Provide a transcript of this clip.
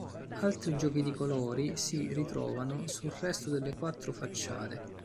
Altri giochi di colori si ritrovano sul resto delle quattro facciate.